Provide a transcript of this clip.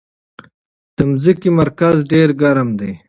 د ځمکې مرکز ډېر ګرم دی.